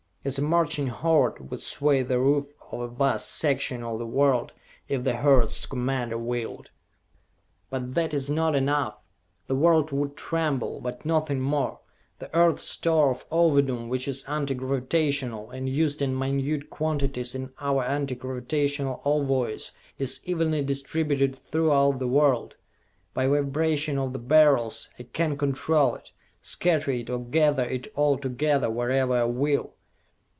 As a marching horde would sway the roof of a vast section of the world if the horde's commander willed! "But that is not enough! The world would tremble, but nothing more! The Earth's store of Ovidum, which is Anti Gravitational, and used in minute quantities in our Anti Gravitational Ovoids, is evenly distributed throughout the world. By vibration of the Beryls I can control it, scatter it or gather it all together wherever I will!